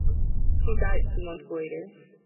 He died two months later.